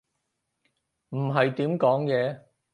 唔係點講嘢